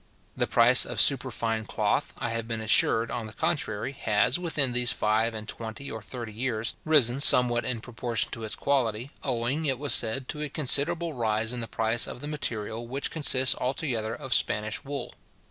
The price of superfine cloth, I have been assured, on the contrary, has, within these five and twenty or thirty years, risen somewhat in proportion to its quality, owing, it was said, to a considerable rise in the price of the material, which consists altogether of Spanish wool.